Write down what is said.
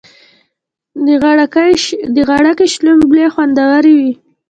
د غړکی شلومبی خوندوری وی.